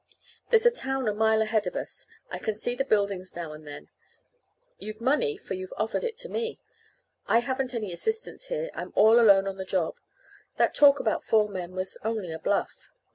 "There's a town a mile ahead of us; I can see the buildings now and then. You've money, for you offered it to me. I haven't any assistants here, I'm all alone on the job. That talk about four men was only a bluff.